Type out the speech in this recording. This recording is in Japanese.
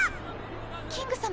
キング様。